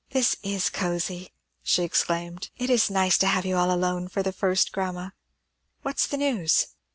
"This is cosy!" she exclaimed. "It is nice to have you all alone for the first, grandma. What's the news?"